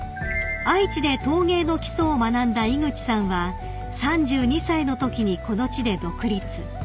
［愛知で陶芸の基礎を学んだ井口さんは３２歳のときにこの地で独立］